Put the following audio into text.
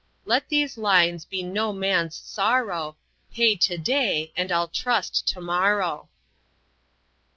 Let those lines be no MAN'S sorrow, Pay to DAY and i'll TRUST tomorrow."